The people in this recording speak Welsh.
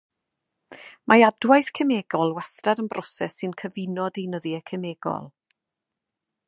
Mae adwaith cemegol wastad yn broses sy'n cyfuno deunyddiau cemegol.